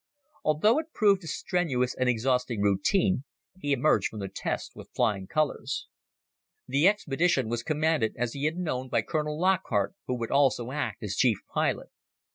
Although it proved a strenuous and exhausting routine, he emerged from the tests with flying colors. The expedition was commanded, as he had known, by Colonel Lockhart who would also act as chief pilot.